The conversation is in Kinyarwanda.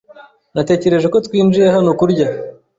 Natekereje ko twinjiye hano kurya.